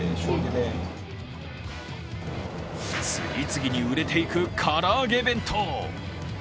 次々に売れていく、から揚げ弁当。